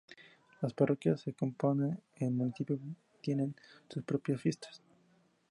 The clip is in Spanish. Las parroquias que componen el Municipio tienen sus propias fiestas.